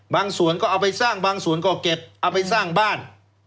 บางส่วนก็เอาไปสร้างบางส่วนก็เก็บเอาไปสร้างบ้าน